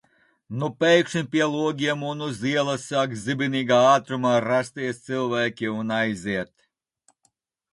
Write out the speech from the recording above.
Nu pēkšņi pie logiem un uz ielas sāk zibenīgā ātrumā rasties cilvēki un aiziet...